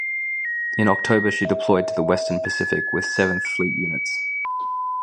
In October she deployed to the Western Pacific with Seventh Fleet units.